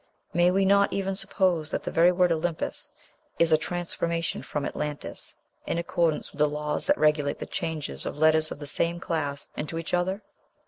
May we not even suppose that the very word "Olympus" is a transformation from "Atlantis" in accordance with the laws that regulate the changes of letters of the same class into each other?